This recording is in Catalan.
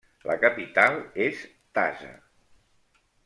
La capital és Taza.